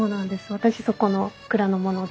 私そこの蔵の者で。